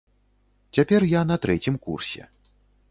Цяпер я на трэцім курсе.